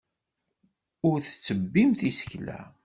Ur tettebbimt isekla.